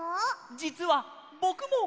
じつはぼくも！